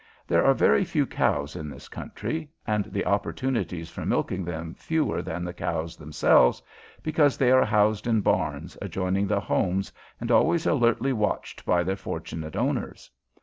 There are very few cows in this country, and the opportunities for milking them fewer than the cows themselves, because they are housed in barns adjoining the homes and always alertly watched by their fortunate owners.